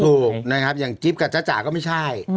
ตรงนั้นครับอย่างจิ๊บกับจ้าจ้าก็ไม่ใช่